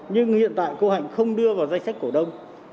nhưng hiện tại cô hạnh không đưa vào danh sách cổ đông